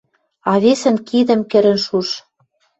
А весӹн кидӹм кӹрӹн шуш.